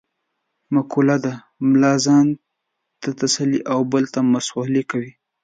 مقوله ده : ملا ځان ته تسلې او بل ته مسعلې کوي.